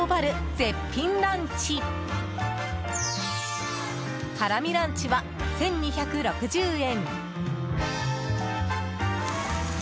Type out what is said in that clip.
絶品ランチハラミランチは１２６０円。